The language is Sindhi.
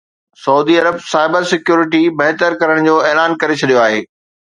سعودي عرب سائبر سيڪيورٽي بهتر ڪرڻ جو اعلان ڪري ڇڏيو آهي